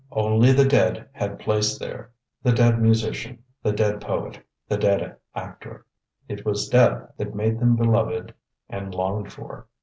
Only the dead had place there the dead musician, the dead poet, the dead actor. It was death that made them beloved and longed for.